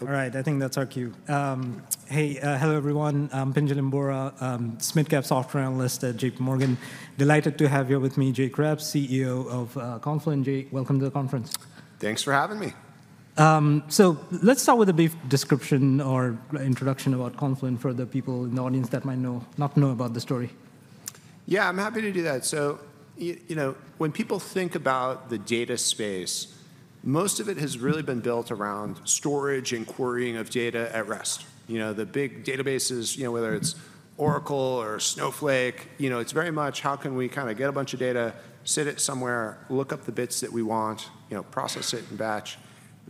All right, I think that's our cue. Hey, hello everyone, I'm Pinjalim Bora, SMID cap software analyst at JPMorgan. Delighted to have here with me, Jay Kreps, CEO of Confluent. Jay, welcome to the conference. Thanks for having me. Let's start with a brief description or introduction about Confluent for the people in the audience that might not know about the story. Yeah, I'm happy to do that. So you know, when people think about the data space, most of it has really been built around storage and querying of data at rest. You know, the big databases, you know, whether it's Oracle or Snowflake, you know, it's very much how can we kinda get a bunch of data, sit it somewhere, look up the bits that we want, you know, process it in batch.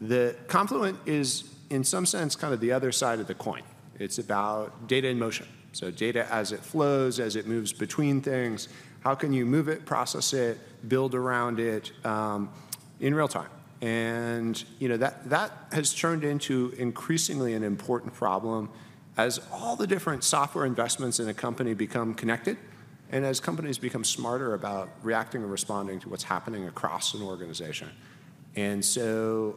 The Confluent is, in some sense, kind of the other side of the coin. It's about data in motion, so data as it flows, as it moves between things. How can you move it, process it, build around it, in real time? You know, that has turned into increasingly an important problem as all the different software investments in a company become connected, and as companies become smarter about reacting and responding to what's happening across an organization. So,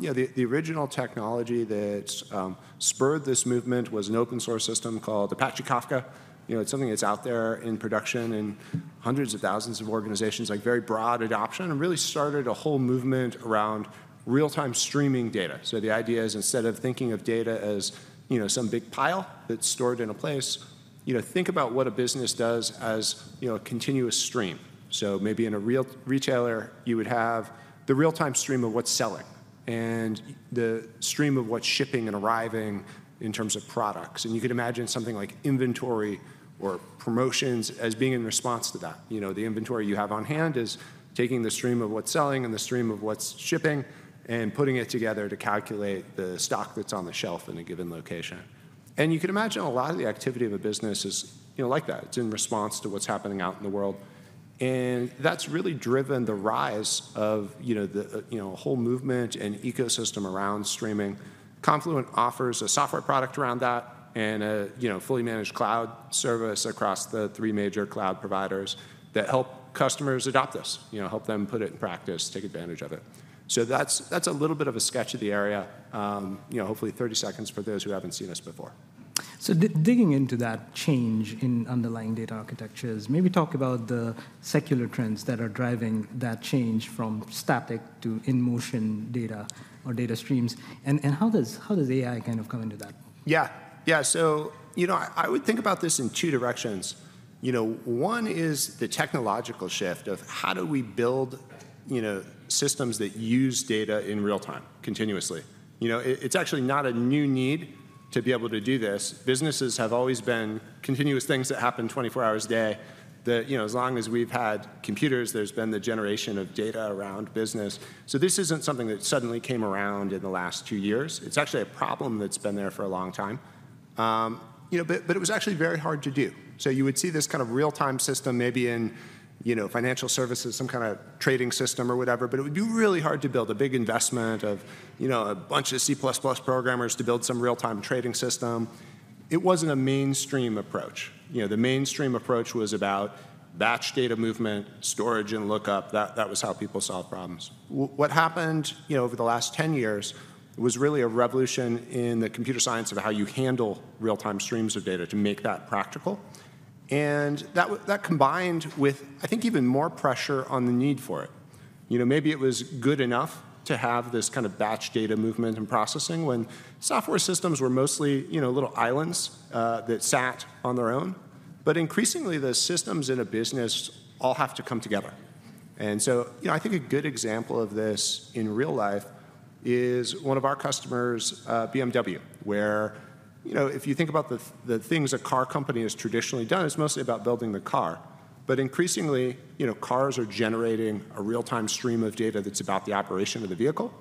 you know, the original technology that spurred this movement was an open-source system called Apache Kafka. You know, it's something that's out there in production in hundreds of thousands of organizations, like very broad adoption, and really started a whole movement around real-time streaming data. So the idea is, instead of thinking of data as, you know, some big pile that's stored in a place, you know, think about what a business does as, you know, a continuous stream. So maybe in a real retailer, you would have the real-time stream of what's selling and the stream of what's shipping and arriving in terms of products. You could imagine something like inventory or promotions as being in response to that. You know, the inventory you have on hand is taking the stream of what's selling and the stream of what's shipping and putting it together to calculate the stock that's on the shelf in a given location. You can imagine a lot of the activity of a business is, you know, like that. It's in response to what's happening out in the world, and that's really driven the rise of, you know, the, you know, a whole movement and ecosystem around streaming. Confluent offers a software product around that and a, you know, fully managed cloud service across the three major cloud providers that help customers adopt this, you know, help them put it in practice, take advantage of it. That's, that's a little bit of a sketch of the area, you know, hopefully 30 seconds for those who haven't seen us before. So digging into that change in underlying data architectures, maybe talk about the secular trends that are driving that change from static to in-motion data or data streams. And how does AI kind of come into that? Yeah. Yeah, so, you know, I would think about this in two directions. You know, one is the technological shift of how do we build, you know, systems that use data in real time continuously? You know, it's actually not a new need to be able to do this. Businesses have always been continuous things that happen 24 hours a day, that, you know, as long as we've had computers, there's been the generation of data around business. So this isn't something that suddenly came around in the last two years. It's actually a problem that's been there for a long time. You know, but, but it was actually very hard to do. So you would see this kind of real-time system maybe in, you know, financial services, some kind of trading system or whatever, but it would be really hard to build a big investment of, you know, a bunch of C++ programmers to build some real-time trading system. It wasn't a mainstream approach. You know, the mainstream approach was about batch data movement, storage, and lookup. That, that was how people solved problems. What happened, you know, over the last 10 years was really a revolution in the computer science of how you handle real-time streams of data to make that practical, and that that combined with, I think, even more pressure on the need for it. You know, maybe it was good enough to have this kind of batch data movement and processing when software systems were mostly, you know, little islands, that sat on their own. But increasingly, the systems in a business all have to come together. And so, you know, I think a good example of this in real life is one of our customers, BMW, where, you know, if you think about the things a car company has traditionally done, it's mostly about building the car. But increasingly, you know, cars are generating a real-time stream of data that's about the operation of the vehicle.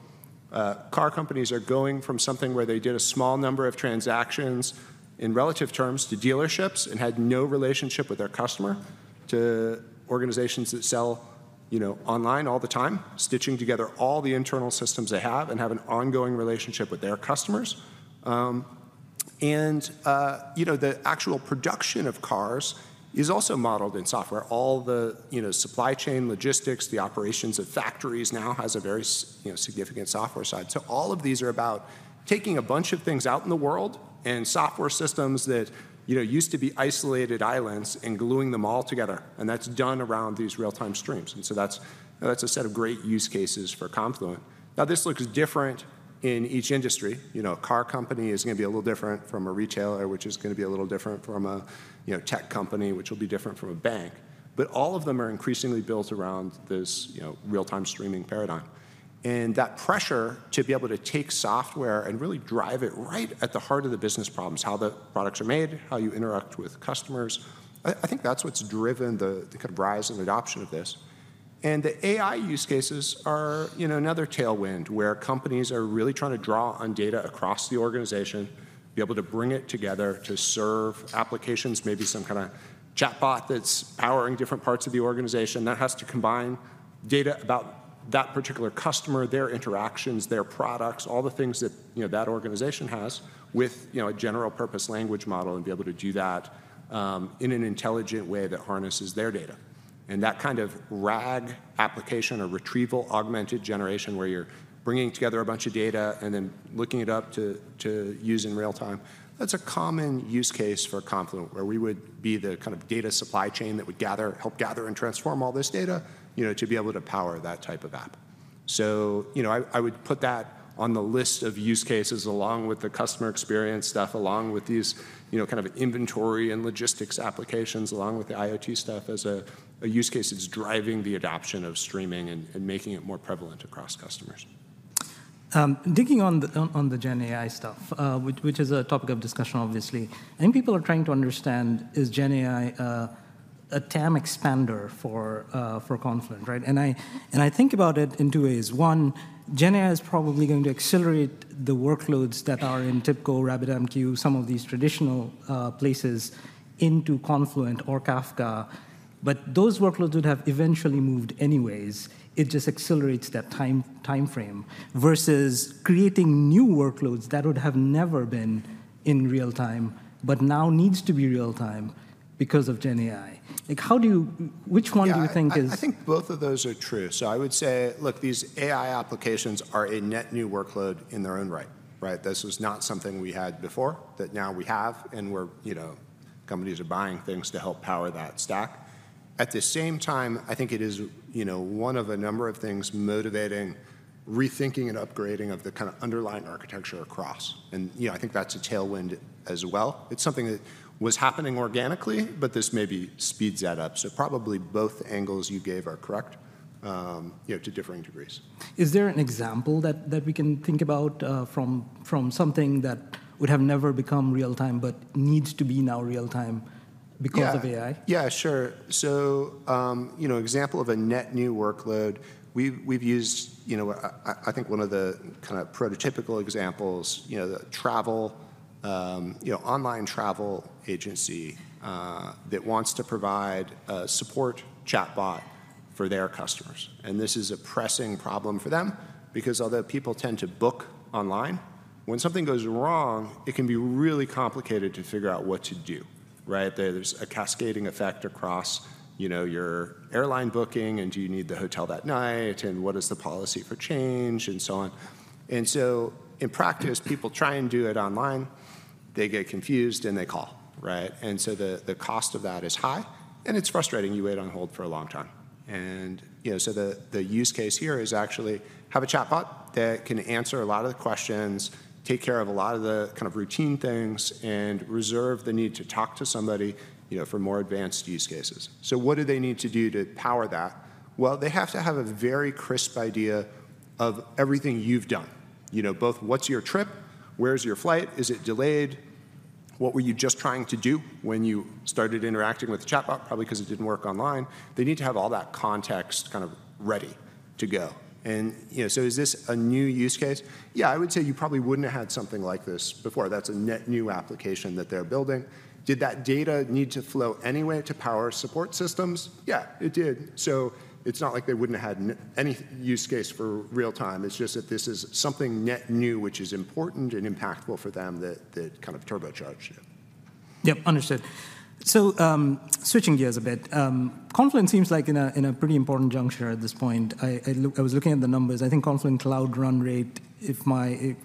Car companies are going from something where they did a small number of transactions in relative terms to dealerships and had no relationship with their customer, to organizations that sell, you know, online all the time, stitching together all the internal systems they have and have an ongoing relationship with their customers. And you know, the actual production of cars is also modeled in software. All the, you know, supply chain, logistics, the operations at factories now has a very, you know, significant software side. So all of these are about taking a bunch of things out in the world and software systems that, you know, used to be isolated islands, and gluing them all together, and that's done around these real-time streams. And so that's, that's a set of great use cases for Confluent. Now, this looks different in each industry. You know, a car company is gonna be a little different from a retailer, which is gonna be a little different from a, you know, tech company, which will be different from a bank, but all of them are increasingly built around this, you know, real-time streaming paradigm. And that pressure to be able to take software and really drive it right at the heart of the business problems, how the products are made, how you interact with customers, I think that's what's driven the kind of rise and adoption of this. And the AI use cases are, you know, another tailwind where companies are really trying to draw on data across the organization, be able to bring it together to serve applications, maybe some kind of chatbot that's powering different parts of the organization. That has to combine data about that particular customer, their interactions, their products, all the things that, you know, that organization has with, you know, a general-purpose language model, and be able to do that in an intelligent way that harnesses their data. That kind of RAG application or retrieval augmented generation, where you're bringing together a bunch of data and then looking it up to, to use in real time, that's a common use case for Confluent, where we would be the kind of data supply chain that would gather, help gather and transform all this data, you know, to be able to power that type of app. So, you know, I, I would put that on the list of use cases, along with the customer experience stuff, along with these, you know, kind of inventory and logistics applications, along with the IoT stuff as a, a use case that's driving the adoption of streaming and, and making it more prevalent across customers. Digging on the GenAI stuff, which is a topic of discussion, obviously. I think people are trying to understand, is GenAI a TAM expander for Confluent, right? And I think about it in two ways. One, GenAI is probably going to accelerate the workloads that are in TIBCO, RabbitMQ, some of these traditional places into Confluent or Kafka, but those workloads would have eventually moved anyways. It just accelerates that time, timeframe, versus creating new workloads that would have never been in real time, but now needs to be real time because of GenAI. Like, how do you, which one do you think is- Yeah, I, I think both of those are true. So I would say, look, these AI applications are a net new workload in their own right, right? This is not something we had before, that now we have, and we're, you know, companies are buying things to help power that stack. At the same time, I think it is, you know, one of a number of things motivating, rethinking, and upgrading of the kind of underlying architecture across, and, you know, I think that's a tailwind as well. It's something that was happening organically, but this maybe speeds that up. So probably both angles you gave are correct, you know, to differing degrees. Is there an example that we can think about, from something that would have never become real time, but needs to be now real time because of AI? Yeah. Yeah, sure. So, you know, example of a net new workload, we've, we've used, you know, I think one of the kind of prototypical examples, you know, the travel, you know, online travel agency, that wants to provide a support chatbot for their customers. And this is a pressing problem for them because although people tend to book online, when something goes wrong, it can be really complicated to figure out what to do, right? There, there's a cascading effect across, you know, your airline booking, and do you need the hotel that night, and what is the policy for change, and so on. And so in practice, people try and do it online, they get confused, and they call, right? And so the, the cost of that is high, and it's frustrating. You wait on hold for a long time. You know, so the use case here is actually have a chatbot that can answer a lot of the questions, take care of a lot of the kind of routine things, and reserve the need to talk to somebody, you know, for more advanced use cases. So what do they need to do to power that? Well, they have to have a very crisp idea of everything you've done. You know, both what's your trip, where's your flight, is it delayed, what were you just trying to do when you started interacting with the chatbot, probably 'cause it didn't work online. They need to have all that context kind of ready to go. You know, so is this a new use case? Yeah, I would say you probably wouldn't have had something like this before. That's a net new application that they're building. Did that data need to flow anyway to power support systems? Yeah, it did. So it's not like they wouldn't have had any use case for real time. It's just that this is something net new, which is important and impactful for them, that, that kind of turbocharged it. Yep, understood. So, switching gears a bit, Confluent seems like in a, in a pretty important juncture at this point. I was looking at the numbers. I think Confluent Cloud run rate, if my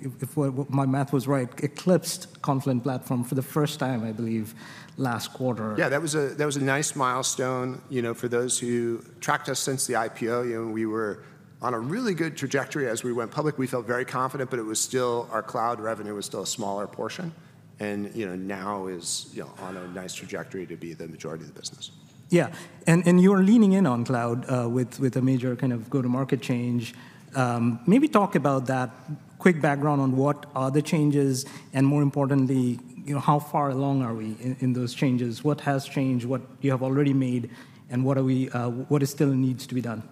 math was right, eclipsed Confluent Platform for the first time, I believe, last quarter. Yeah, that was a nice milestone, you know, for those who tracked us since the IPO. You know, we were on a really good trajectory as we went public. We felt very confident, but it was still, our cloud revenue was still a smaller portion, and, you know, now is, you know, on a nice trajectory to be the majority of the business. Yeah, and you're leaning in on cloud with a major kind of go-to-market change. Maybe talk about that. Quick background on what are the changes and more importantly, you know, how far along are we in those changes? What has changed, what you have already made, and what still needs to be done?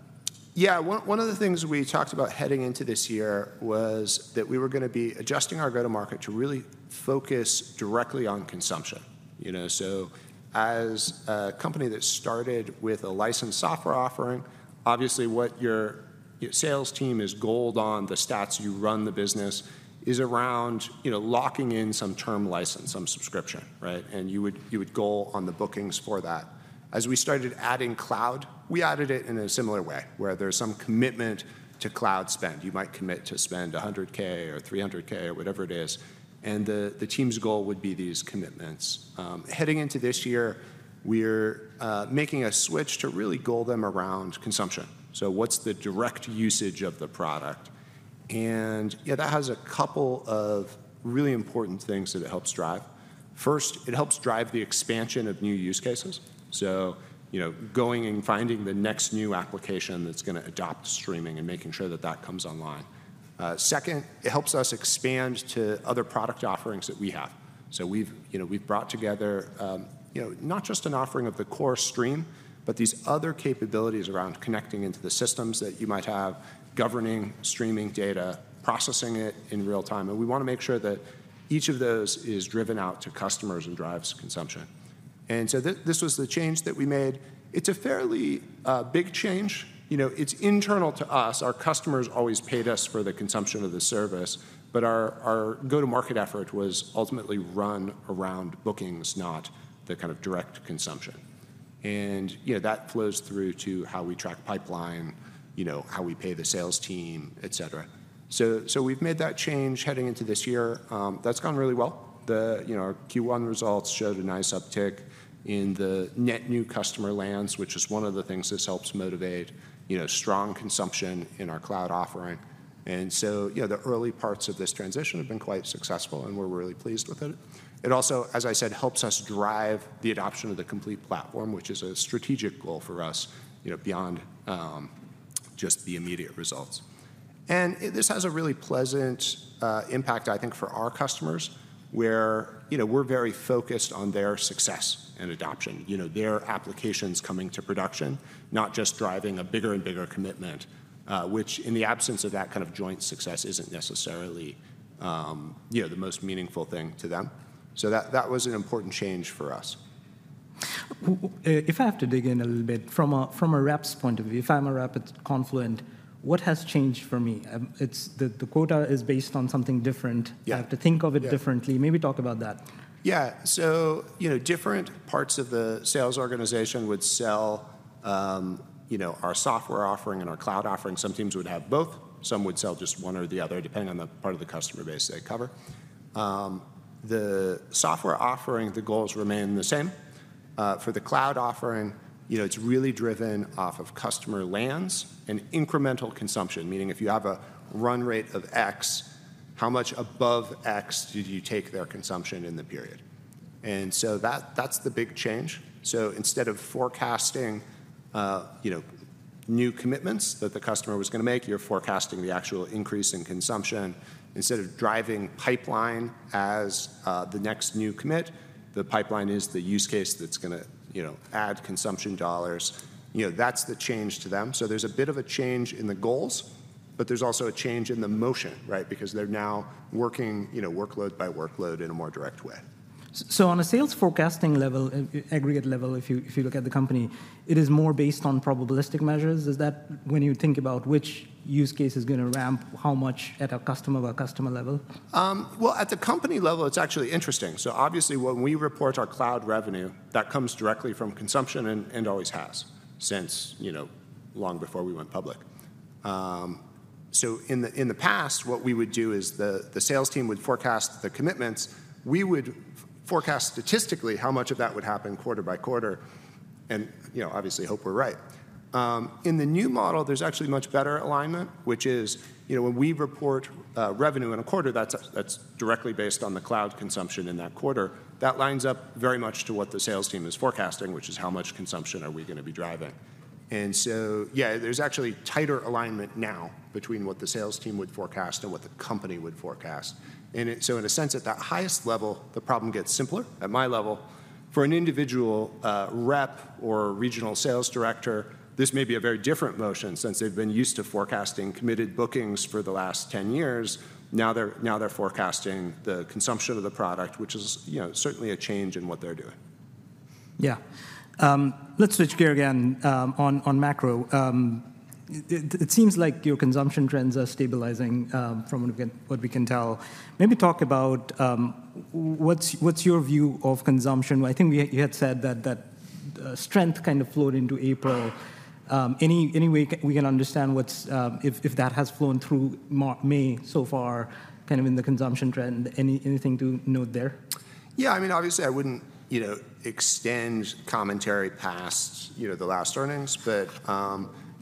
Yeah, one of the things we talked about heading into this year was that we were gonna be adjusting our go-to-market to really focus directly on consumption, you know? So as a company that started with a licensed software offering, obviously, what your sales team is goaled on, the stats you run the business, is around, you know, locking in some term license, some subscription, right? And you would goal on the bookings for that. As we started adding cloud, we added it in a similar way, where there's some commitment to cloud spend. You might commit to spend $100K or $300K or whatever it is, and the team's goal would be these commitments. Heading into this year, we're making a switch to really goal them around consumption. So what's the direct usage of the product? And yeah, that has a couple of really important things that it helps drive. First, it helps drive the expansion of new use cases. So, you know, going and finding the next new application that's gonna adopt streaming and making sure that that comes online. Second, it helps us expand to other product offerings that we have. So we've, you know, we've brought together, not just an offering of the core stream, but these other capabilities around connecting into the systems that you might have, governing streaming data, processing it in real time, and we wanna make sure that each of those is driven out to customers and drives consumption. And so this was the change that we made. It's a fairly big change. You know, it's internal to us. Our customers always paid us for the consumption of the service, but our go-to-market effort was ultimately run around bookings, not the kind of direct consumption. And, you know, that flows through to how we track pipeline, you know, how we pay the sales team, et cetera. So we've made that change heading into this year. That's gone really well. The, you know, our Q1 results showed a nice uptick in the net new customer lands, which is one of the things this helps motivate, you know, strong consumption in our cloud offering. And so, you know, the early parts of this transition have been quite successful, and we're really pleased with it. It also, as I said, helps us drive the adoption of the complete platform, which is a strategic goal for us, you know, beyond just the immediate results. This has a really pleasant impact, I think, for our customers, where, you know, we're very focused on their success and adoption. You know, their applications coming to production, not just driving a bigger and bigger commitment, which in the absence of that kind of joint success isn't necessarily, you know, the most meaningful thing to them. So that, that was an important change for us. If I have to dig in a little bit, from a rep's point of view, if I'm a rep at Confluent, what has changed for me? It's the quota is based on something different. Yeah. You have to think of it differently. Maybe talk about that. Yeah. So, you know, different parts of the sales organization would sell, you know, our software offering and our cloud offering. Some teams would have both, some would sell just one or the other, depending on the part of the customer base they cover. The software offering, the goals remain the same. For the cloud offering, you know, it's really driven off of customer lands and incremental consumption, meaning if you have a run rate of X, how much above X did you take their consumption in the period? And so that, that's the big change. So instead of forecasting, you know, new commitments that the customer was gonna make, you're forecasting the actual increase in consumption. Instead of driving pipeline as, the next new commit, the pipeline is the use case that's gonna, you know, add consumption dollars. You know, that's the change to them. So there's a bit of a change in the goals, but there's also a change in the motion, right? Because they're now working, you know, workload by workload in a more direct way. So on a sales forecasting level, aggregate level, if you look at the company, it is more based on probabilistic measures? Is that when you think about which use case is gonna ramp, how much at a customer by customer level? Well, at the company level, it's actually interesting. So obviously, when we report our cloud revenue, that comes directly from consumption and always has since, you know, long before we went public. So in the past, what we would do is the sales team would forecast the commitments. We would forecast statistically how much of that would happen quarter by quarter, and, you know, obviously, hope we're right. In the new model, there's actually much better alignment, which is, you know, when we report revenue in a quarter, that's directly based on the cloud consumption in that quarter. That lines up very much to what the sales team is forecasting, which is how much consumption are we gonna be driving. And so, yeah, there's actually tighter alignment now between what the sales team would forecast and what the company would forecast. And it—so in a sense, at the highest level, the problem gets simpler, at my level. For an individual rep or regional sales director, this may be a very different motion since they've been used to forecasting committed bookings for the last 10 years. Now they're, now they're forecasting the consumption of the product, which is, you know, certainly a change in what they're doing. Yeah. Let's switch gear again, on macro. It seems like your consumption trends are stabilizing, from what we can tell. Maybe talk about what's your view of consumption? I think you had said that strength kind of flowed into April. Any way we can understand what's if that has flown through May so far, kind of in the consumption trend? Anything to note there? Yeah, I mean, obviously, I wouldn't, you know, extend commentary past, you know, the last earnings. But,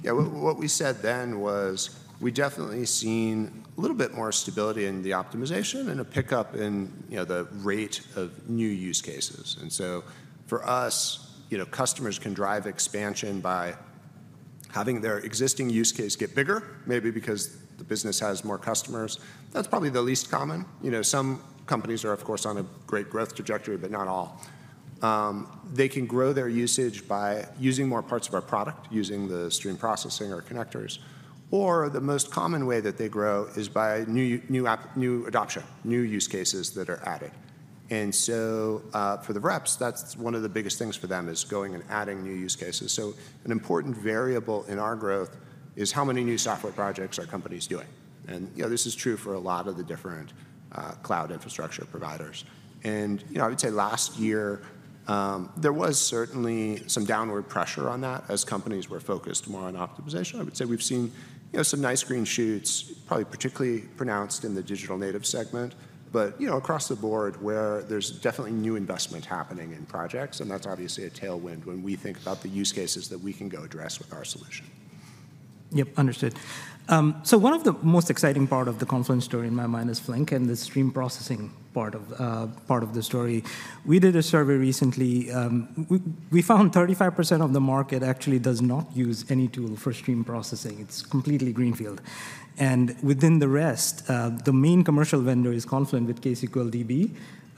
yeah, what we said then was we've definitely seen a little bit more stability in the optimization and a pickup in, you know, the rate of new use cases. And so for us, you know, customers can drive expansion by having their existing use case get bigger, maybe because the business has more customers. That's probably the least common. You know, some companies are, of course, on a great growth trajectory, but not all. They can grow their usage by using more parts of our product, using the stream processing or connectors, or the most common way that they grow is by new adoption, new use cases that are added. So, for the reps, that's one of the biggest things for them, is going and adding new use cases. So an important variable in our growth is how many new software projects are companies doing? And, you know, this is true for a lot of the different, cloud infrastructure providers. And, you know, I would say last year, there was certainly some downward pressure on that as companies were focused more on optimization. I would say we've seen, you know, some nice green shoots, probably particularly pronounced in the digital native segment, but, you know, across the board, where there's definitely new investment happening in projects, and that's obviously a tailwind when we think about the use cases that we can go address with our solution. Yep, understood. So one of the most exciting part of the Confluent story in my mind is Flink and the stream processing part of the story. We did a survey recently, we found 35% of the market actually does not use any tool for stream processing. It's completely greenfield. Within the rest, the main commercial vendor is Confluent with ksqlDB,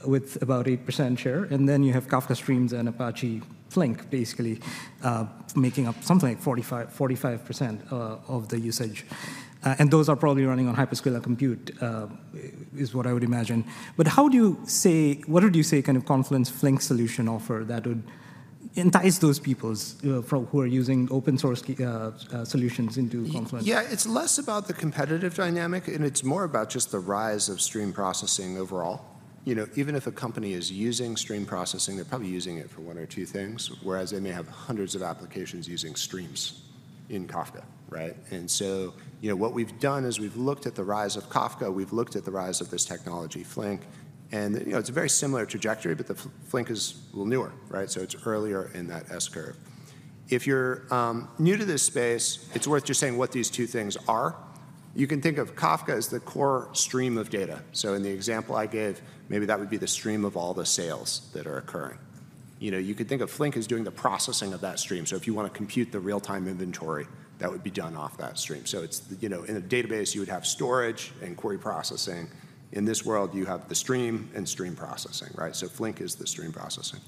with about 8% share, and then you have Kafka Streams and Apache Flink basically making up something like 45% of the usage. And those are probably running on hyperscaler compute, is what I would imagine. But how would you say, what would you say kind of Confluent's Flink solution offer that would entice those people who are using open source solutions into Confluent? Yeah, it's less about the competitive dynamic, and it's more about just the rise of stream processing overall. You know, even if a company is using stream processing, they're probably using it for one or two things, whereas they may have hundreds of applications using streams in Kafka, right? And so, you know, what we've done is we've looked at the rise of Kafka, we've looked at the rise of this technology, Flink, and, you know, it's a very similar trajectory, but the Flink is a little newer, right? So it's earlier in that S-curve. If you're new to this space, it's worth just saying what these two things are. You can think of Kafka as the core stream of data. So in the example I gave, maybe that would be the stream of all the sales that are occurring. You know, you could think of Flink as doing the processing of that stream. So if you want to compute the real-time inventory, that would be done off that stream. So it's, you know, in a database, you would have storage and query processing. In this world, you have the stream and stream processing, right? So Flink is the stream processing.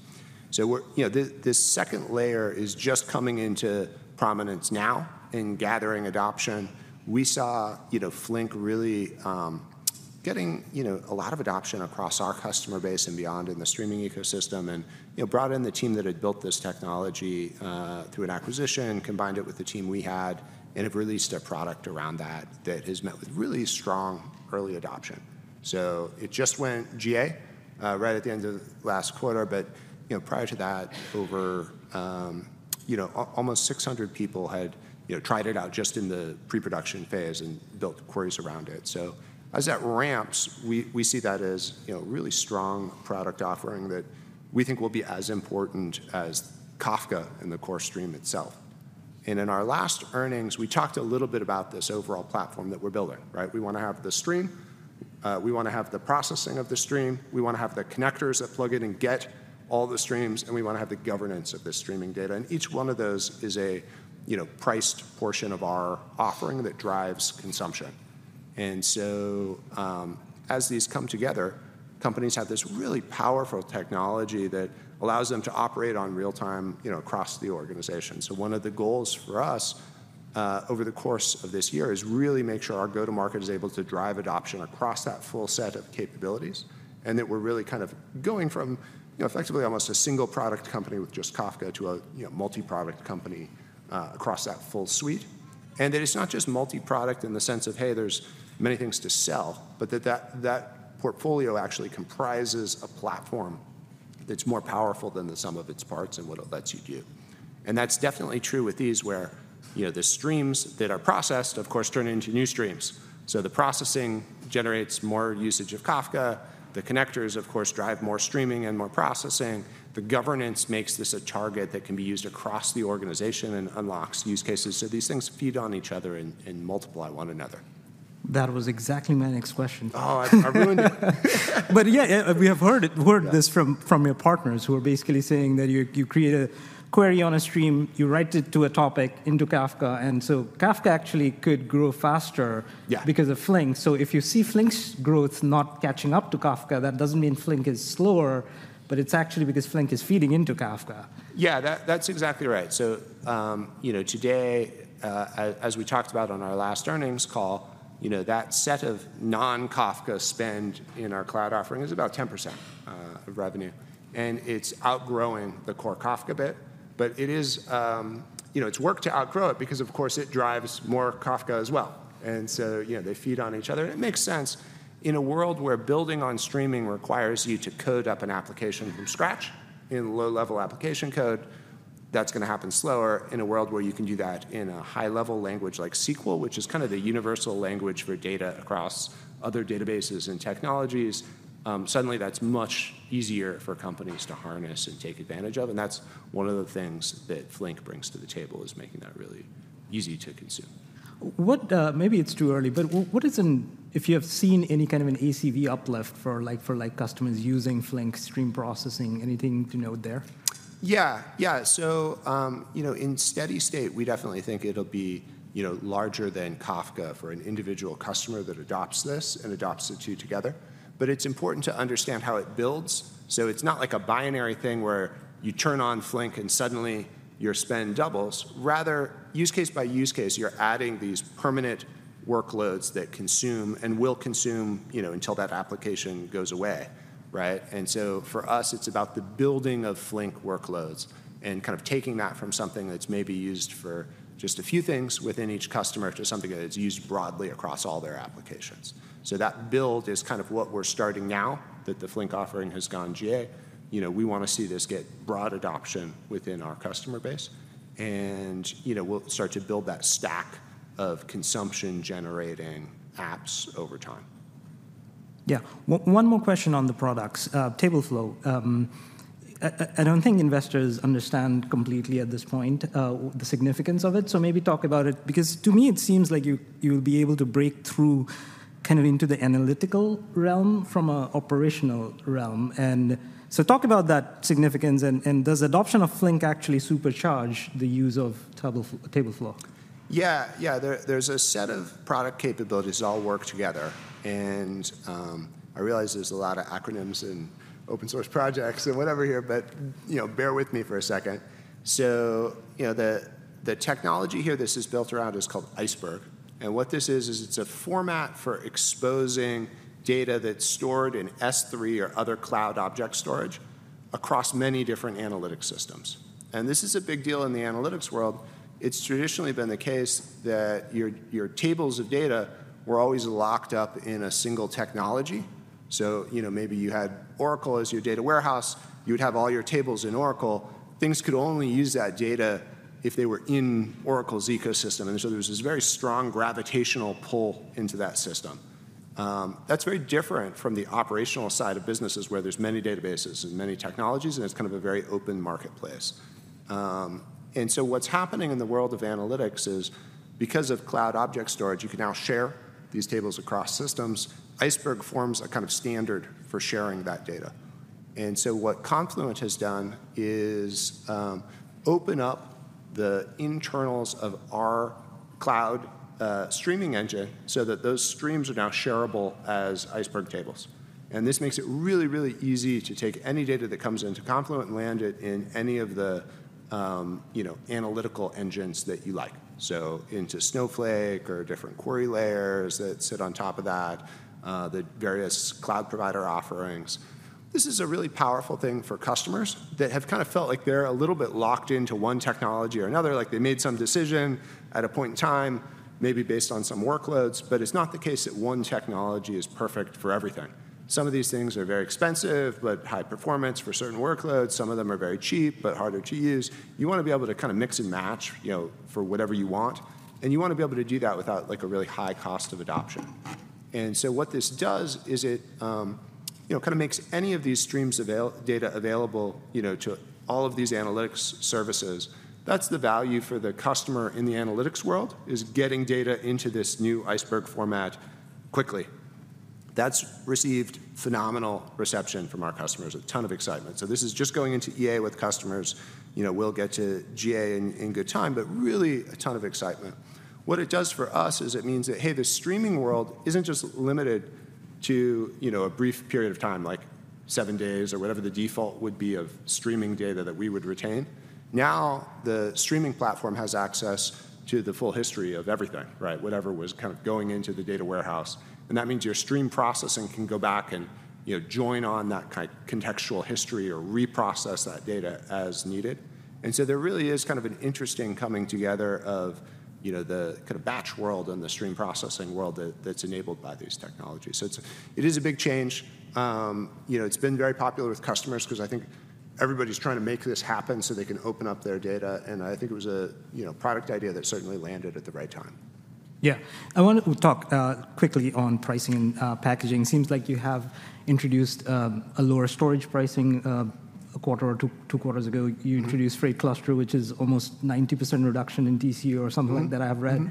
You know, this, this second layer is just coming into prominence now and gathering adoption. We saw, you know, Flink really getting, you know, a lot of adoption across our customer base and beyond in the streaming ecosystem and, you know, brought in the team that had built this technology through an acquisition, combined it with the team we had, and have released a product around that, that has met with really strong early adoption. So it just went GA right at the end of last quarter, but, you know, prior to that, over almost 600 people had, you know, tried it out just in the pre-production phase and built queries around it. So as that ramps, we, we see that as, you know, really strong product offering that we think will be as important as Kafka in the core stream itself. And in our last earnings, we talked a little bit about this overall platform that we're building, right? We wanna have the stream, we wanna have the processing of the stream, we wanna have the connectors that plug in and get all the streams, and we wanna have the governance of the streaming data. And each one of those is a, you know, priced portion of our offering that drives consumption. And so, as these come together, companies have this really powerful technology that allows them to operate on real-time, you know, across the organization. So one of the goals for us, over the course of this year, is really make sure our go-to-market is able to drive adoption across that full set of capabilities, and that we're really kind of going from, you know, effectively almost a single product company with just Kafka to a, you know, multi-product company, across that full suite. And that it's not just multi-product in the sense of, hey, there's many things to sell, but that, that, that portfolio actually comprises a platform that's more powerful than the sum of its parts and what it lets you do. And that's definitely true with these where, you know, the streams that are processed, of course, turn into new streams. So the processing generates more usage of Kafka. The connectors, of course, drive more streaming and more processing. The governance makes this a target that can be used across the organization and unlocks use cases. So these things feed on each other and multiply one another. That was exactly my next question. Oh, I ruined it. But yeah, yeah, we have heard it, heard this from your partners, who are basically saying that you create a query on a stream, you write it to a topic into Kafka, and so Kafka actually could grow faster because of Flink. So if you see Flink's growth not catching up to Kafka, that doesn't mean Flink is slower, but it's actually because Flink is feeding into Kafka. Yeah, that, that's exactly right. So, you know, today, as we talked about on our last earnings call, you know, that set of non-Kafka spend in our cloud offering is about 10% of revenue, and it's outgrowing the core Kafka bit. But it is, you know, it's work to outgrow it because, of course, it drives more Kafka as well, and so, you know, they feed on each other, and it makes sense. In a world where building on streaming requires you to code up an application from scratch in low-level application code, that's gonna happen slower. In a world where you can do that in a high-level language like SQL, which is kind of the universal language for data across other databases and technologies, suddenly that's much easier for companies to harness and take advantage of, and that's one of the things that Flink brings to the table, is making that really easy to consume. What, maybe it's too early, but what is, if you have seen any kind of an ACV uplift for like, for like customers using Flink stream processing, anything to note there? Yeah, yeah. So, you know, in steady state, we definitely think it'll be, you know, larger than Kafka for an individual customer that adopts this and adopts the two together. But it's important to understand how it builds. So it's not like a binary thing where you turn on Flink and suddenly your spend doubles. Rather, use case by use case, you're adding these permanent workloads that consume and will consume, you know, until that application goes away, right? And so for us, it's about the building of Flink workloads and kind of taking that from something that's maybe used for just a few things within each customer to something that is used broadly across all their applications. So that build is kind of what we're starting now that the Flink offering has gone GA. You know, we wanna see this get broad adoption within our customer base, and, you know, we'll start to build that stack of consumption-generating apps over time. Yeah. One more question on the products, Tableflow. I don't think investors understand completely at this point, the significance of it, so maybe talk about it, because to me it seems like you, you'll be able to break through kind of into the analytical realm from a operational realm. And so talk about that significance, and does adoption of Flink actually supercharge the use of Tableflow? Yeah, yeah. There's a set of product capabilities that all work together. And, I realize there's a lot of acronyms and open source projects and whatever here, but, you know, bear with me for a second. So, you know, the technology here this is built around is called Iceberg, and what this is, is it's a format for exposing data that's stored in S3 or other cloud object storage across many different analytic systems, and this is a big deal in the analytics world. It's traditionally been the case that your tables of data were always locked up in a single technology. So, you know, maybe you had Oracle as your data warehouse, you would have all your tables in Oracle. Things could only use that data if they were in Oracle's ecosystem, and so there was this very strong gravitational pull into that system. That's very different from the operational side of businesses, where there's many databases and many technologies, and it's kind of a very open marketplace. And so what's happening in the world of analytics is, because of cloud object storage, you can now share these tables across systems. Iceberg forms a kind of standard for sharing that data. And so what Confluent has done is, open up the internals of our cloud, streaming engine so that those streams are now shareable as Iceberg tables. And this makes it really, really easy to take any data that comes into Confluent and land it in any of the, you know, analytical engines that you like, so into Snowflake or different query layers that sit on top of that, the various cloud provider offerings. This is a really powerful thing for customers that have kind of felt like they're a little bit locked into one technology or another. Like, they made some decision at a point in time, maybe based on some workloads, but it's not the case that one technology is perfect for everything. Some of these things are very expensive, but high performance for certain workloads. Some of them are very cheap, but harder to use. You wanna be able to kinda mix and match, you know, for whatever you want, and you wanna be able to do that without, like, a really high cost of adoption. And so what this does is it, you know, kinda makes any of these streams data available, you know, to all of these analytics services. That's the value for the customer in the analytics world, is getting data into this new Iceberg format quickly. That's received phenomenal reception from our customers, a ton of excitement. So this is just going into EA with customers. You know, we'll get to GA in, in good time, but really a ton of excitement. What it does for us is it means that, hey, the streaming world isn't just limited to, you know, a brief period of time, like seven days or whatever the default would be of streaming data that we would retain. Now, the streaming platform has access to the full history of everything, right? Whatever was kind of going into the data warehouse, and that means your stream processing can go back and, you know, join on that key contextual history or reprocess that data as needed. And so there really is kind of an interesting coming together of, you know, the kind of batch world and the stream processing world that, that's enabled by these technologies. So it's a, it is a big change. You know, it's been very popular with customers 'cause I think everybody's trying to make this happen so they can open up their data, and I think it was a, you know, product idea that certainly landed at the right time. Yeah. I wanted to talk quickly on pricing and packaging. Seems like you have introduced a lower storage pricing a quarter or two, two quarters ago. You introduced free cluster, which is almost 90% reduction in DC or something like that I have read.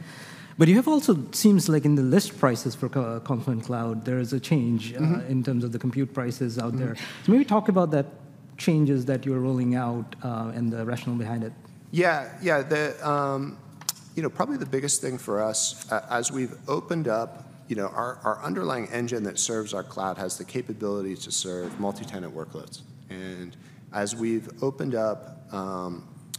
But you have also seems like in the list prices for Confluent Cloud, there is a change in terms of the compute prices out there. Maybe talk about that changes that you're rolling out, and the rationale behind it. Yeah, yeah. You know, probably the biggest thing for us as we've opened up. You know, our underlying engine that serves our cloud has the capability to serve multi-tenant workloads, and as we've opened up,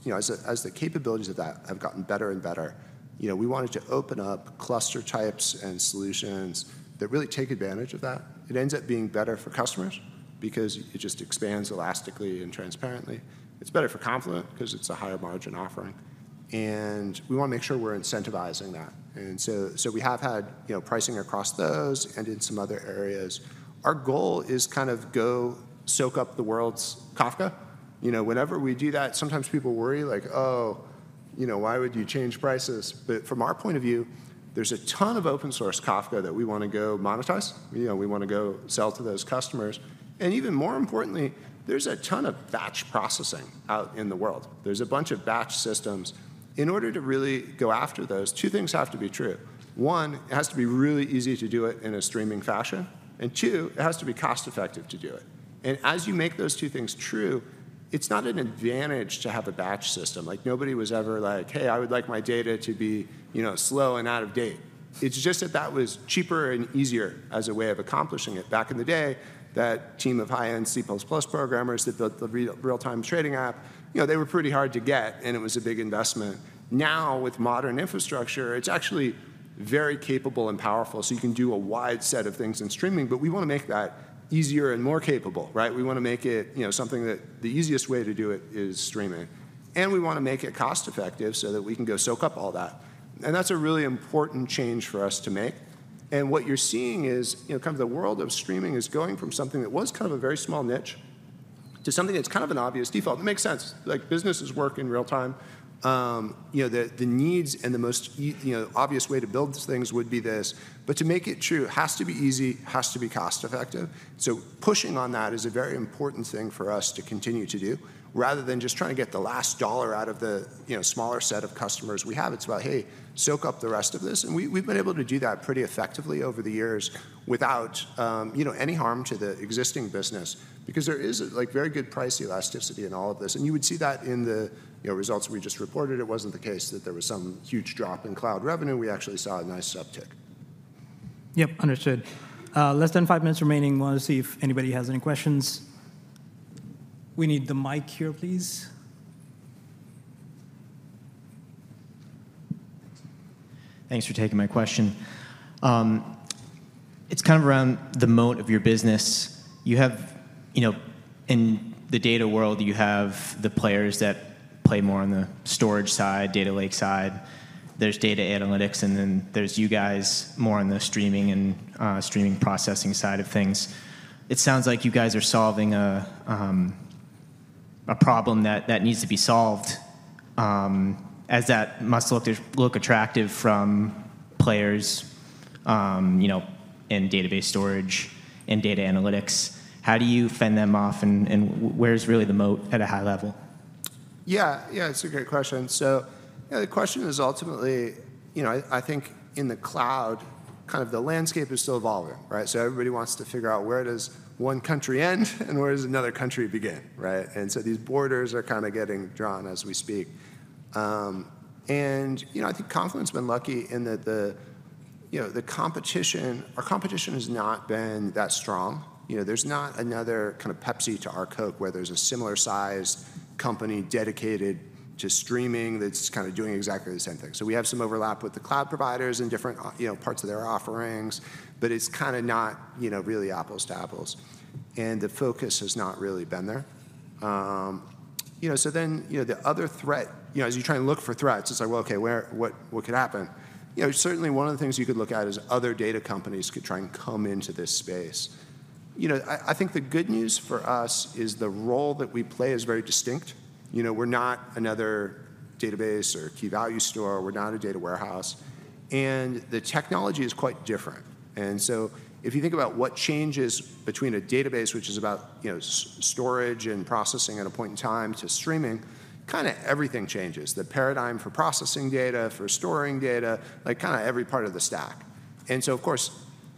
you know, as the capabilities of that have gotten better and better, you know, we wanted to open up cluster types and solutions that really take advantage of that. It ends up being better for customers because it just expands elastically and transparently. It's better for Confluent 'cause it's a higher margin offering, and we wanna make sure we're incentivizing that. So we have had, you know, pricing across those and in some other areas. Our goal is kind of go soak up the world's Kafka. You know, whenever we do that, sometimes people worry, like, "Oh, you know, why would you change prices?" But from our point of view, there's a ton of open source Kafka that we wanna go monetize. You know, we wanna go sell to those customers, and even more importantly, there's a ton of batch processing out in the world. There's a bunch of batch systems. In order to really go after those, two things have to be true. One, it has to be really easy to do it in a streaming fashion, and two, it has to be cost effective to do it. And as you make those two things true, it's not an advantage to have a batch system. Like, nobody was ever like, "Hey, I would like my data to be, you know, slow and out of date." It's just that that was cheaper and easier as a way of accomplishing it. Back in the day, that team of high-end C++ programmers that built the real, real-time trading app, you know, they were pretty hard to get, and it was a big investment. Now, with modern infrastructure, it's actually very capable and powerful, so you can do a wide set of things in streaming, but we wanna make that easier and more capable, right? We wanna make it, you know, something that the easiest way to do it is streaming, and we wanna make it cost effective so that we can go soak up all that, and that's a really important change for us to make. And what you're seeing is, you know, kind of the world of streaming is going from something that was kind of a very small niche to something that's kind of an obvious default. It makes sense, like businesses work in real time. You know, the needs and the most, you know, obvious way to build things would be this. But to make it true, it has to be easy, it has to be cost effective. So pushing on that is a very important thing for us to continue to do, rather than just trying to get the last dollar out of the, you know, smaller set of customers we have. It's about, "Hey, soak up the rest of this," and we, we've been able to do that pretty effectively over the years without, you know, any harm to the existing business because there is, like, very good price elasticity in all of this, and you would see that in the, you know, results we just reported. It wasn't the case that there was some huge drop in cloud revenue. We actually saw a nice uptick. Yep, understood. Less than five minutes remaining. Wanna see if anybody has any questions. We need the mic here, please. Thanks for taking my question. It's kind of around the moat of your business. You have, you know, in the data world, you have the players that play more on the storage side, data lake side, there's data analytics, and then there's you guys more on the streaming and streaming processing side of things. It sounds like you guys are solving a problem that needs to be solved, as that must look attractive from players, you know, in database storage and data analytics. How do you fend them off, and where's really the moat at a high level? Yeah. Yeah, it's a great question. So, yeah, the question is ultimately, you know, I think in the cloud, kind of the landscape is still evolving, right? So everybody wants to figure out where does one country end and where does another country begin, right? And so these borders are kinda getting drawn as we speak. And, you know, I think Confluent's been lucky in that the, you know, the competition, our competition has not been that strong. You know, there's not another kinda Pepsi to our Coke, where there's a similar size company dedicated to streaming that's kinda doing exactly the same thing. So we have some overlap with the cloud providers in different, you know, parts of their offerings, but it's kinda not, you know, really apples to apples, and the focus has not really been there. You know, so then, you know, the other threat. You know, as you're trying to look for threats, it's like, well, okay, where, what, what could happen? You know, certainly one of the things you could look at is other data companies could try and come into this space. You know, I think the good news for us is the role that we play is very distinct. You know, we're not another database or key-value store, we're not a data warehouse, and the technology is quite different. And so if you think about what changes between a database, which is about, you know, storage and processing at a point in time, to streaming, kinda everything changes. The paradigm for processing data, for storing data, like, kinda every part of the stack. And so of course,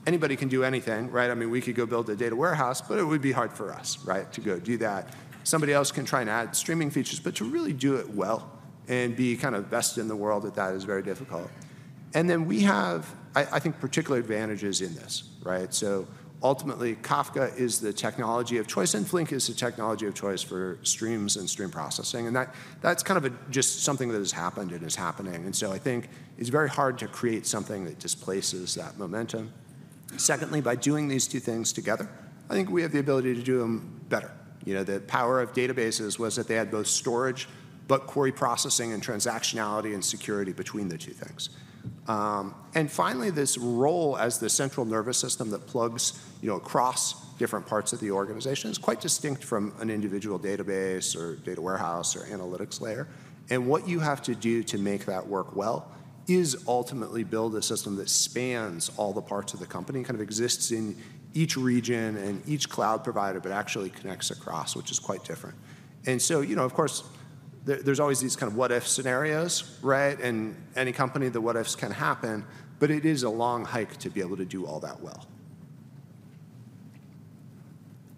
anybody can do anything, right? I mean, we could go build a data warehouse, but it would be hard for us, right, to go do that. Somebody else can try and add streaming features, but to really do it well and be kind of best in the world at that is very difficult. And then we have, I, I think, particular advantages in this, right? So ultimately, Kafka is the technology of choice, and Flink is the technology of choice for streams and stream processing, and that, that's kind of a just something that has happened and is happening, and so I think it's very hard to create something that displaces that momentum. Secondly, by doing these two things together, I think we have the ability to do 'em better. You know, the power of databases was that they had both storage but query processing and transactionality and security between the two things. And finally, this role as the central nervous system that plugs, you know, across different parts of the organization is quite distinct from an individual database or data warehouse or analytics layer. And what you have to do to make that work well is ultimately build a system that spans all the parts of the company, kind of exists in each region and each cloud provider, but actually connects across, which is quite different. And so, you know, of course, there, there's always these kind of what if scenarios, right? In any company, the what ifs can happen, but it is a long hike to be able to do all that well.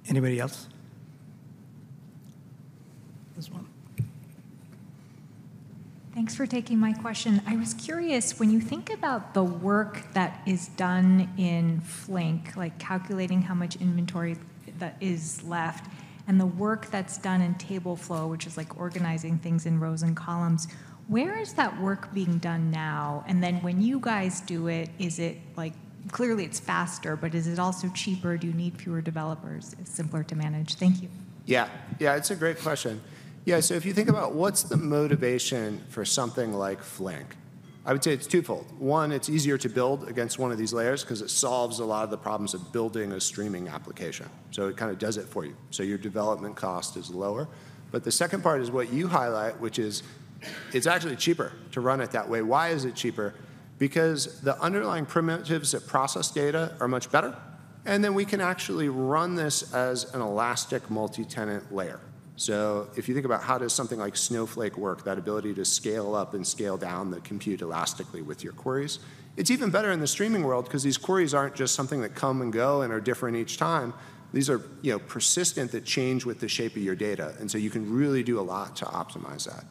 Anybody else? This one. Thanks for taking my question. I was curious, when you think about the work that is done in Flink, like calculating how much inventory that is left, and the work that's done in Tableflow, which is like organizing things in rows and columns, where is that work being done now? And then when you guys do it, is it like, clearly, it's faster, but is it also cheaper? Do you need fewer developers? It's simpler to manage. Thank you. Yeah. Yeah, it's a great question. Yeah, so if you think about what's the motivation for something like Flink, I would say it's twofold. One, it's easier to build against one of these layers 'cause it solves a lot of the problems of building a streaming application. So it kinda does it for you, so your development cost is lower. But the second part is what you highlight, which is it's actually cheaper to run it that way. Why is it cheaper? Because the underlying primitives that process data are much better, and then we can actually run this as an elastic multi-tenant layer. If you think about how does something like Snowflake work, that ability to scale up and scale down the compute elastically with your queries, it's even better in the streaming world 'cause these queries aren't just something that come and go and are different each time. These are, you know, persistent, that change with the shape of your data, and so you can really do a lot to optimize that.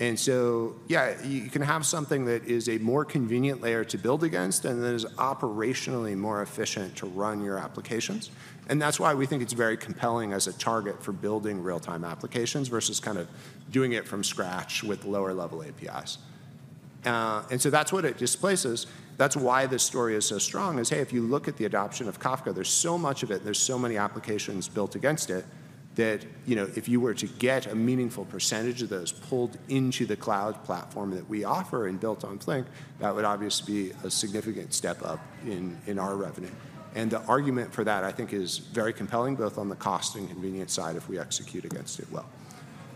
And so, yeah, you can have something that is a more convenient layer to build against and that is operationally more efficient to run your applications, and that's why we think it's very compelling as a target for building real-time applications versus kind of doing it from scratch with lower-level APIs. And so that's what it displaces. That's why this story is so strong: hey, if you look at the adoption of Kafka, there's so much of it, there's so many applications built against it, that, you know, if you were to get a meaningful percentage of those pulled into the cloud platform that we offer and built on Flink, that would obviously be a significant step up in our revenue. And the argument for that, I think, is very compelling, both on the cost and convenience side, if we execute against it well.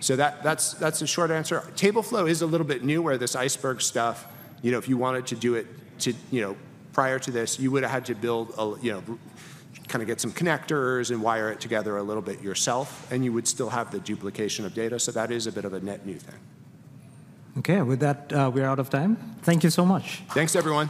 So that's the short answer. Tableflow is a little bit newer, this Iceberg stuff. You know, if you wanted to do it to, you know, prior to this, you would've had to build a you know, kind of get some connectors and wire it together a little bit yourself, and you would still have the duplication of data, so that is a bit of a net new thing. Okay, with that, we're out of time. Thank you so much. Thanks, everyone.